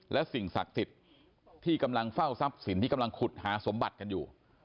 และสิ่งศักดิ์สิทธิ์ที่กำลังเฝ้าทรัพย์สินที่กำลังขุดหาสมบัติกันอยู่